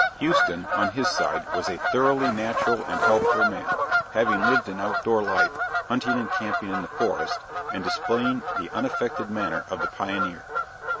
Houston, on his side, was a thoroughly natural and healthful man, having lived an outdoor life, hunting and camping in the forest and displaying the unaffected manner of the pioneer.